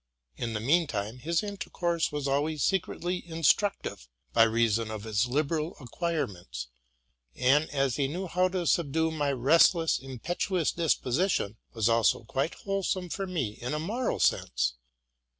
In the mean time, his intercourse was always secretly instructive, by reason of his liberal acquirements, and, as he knew how to subdue my restless, impetuous disposition, was also quite wholesome for me in a moral sense.